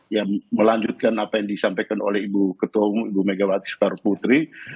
yang melanjutkan apa yang disampaikan oleh ibu ketua umum ibu mega wati soekaruputri